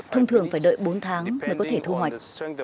thông thường phải đợi bốn tháng mới có thể thu hoạch